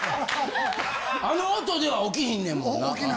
あの音では起きひんねんもんな。